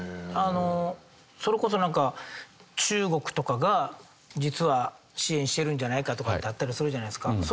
あのそれこそなんか中国とかが実は支援してるんじゃないかとかってあったりするじゃないですか。